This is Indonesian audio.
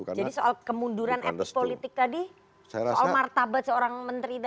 jadi soal kemunduran etik politik tadi soal martabat seorang menteri tadi